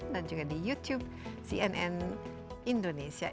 dan juga di youtube cnn indonesia